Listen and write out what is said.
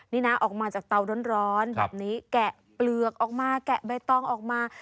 นี่นะออกมาจากเตาร้อนแบบนี้แกะเปลือกออกมาแกะใบตองออกมา